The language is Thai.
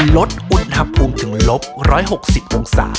ลดอุณหภูมิถึงลบ๑๖๐องศา